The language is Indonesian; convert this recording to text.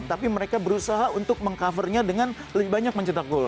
tapi mereka berusaha untuk meng covernya dengan lebih banyak mencetak gol